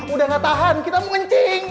udah gak tahan kita mengencing